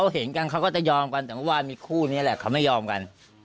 แต่แท็กซี่เขาก็บอกว่าแท็กซี่ควรจะถอยควรจะหลบหน่อยเพราะเก่งเทาเนี่ยเลยไปเต็มคันแล้ว